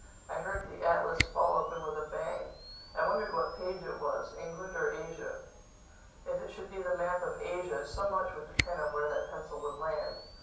I heard the atlas fall open with a bang. I wondered what page it was: England or Asia. If it should be the map of Asia, so much would depend on where that pencil would land.